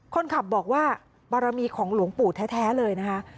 คนขับบอกว่าบารมีของหลวงปู่แท้เลยนะคะ